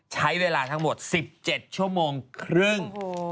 ใช้เวลาทั้งหมด๑๗ชั่วโมงครึ่ง